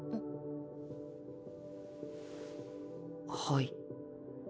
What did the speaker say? はい。